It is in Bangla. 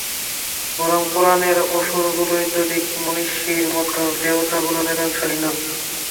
বরং পুরাণের অসুরগুলোই তো দেখি মনিষ্যির মত, দেবতাগুলো অনেকাংশে হীন।